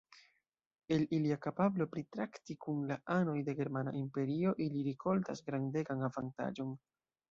El ilia kapablo pritrakti kun la anoj de germana imperio, ili rikoltas grandegan avantaĝon.